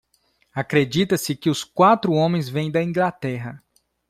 Acredita-se que os quatro homens vêm da Inglaterra.